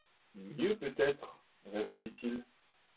Mieux peut-être, répondit-il.